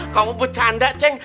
kamu bercanda ceng